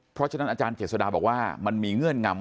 เพราะฉะนั้นอาจารย์เจษฎาบอกว่ามันมีเงื่อนงำ